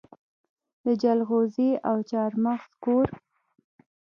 د جلغوزي او چارمغز کور.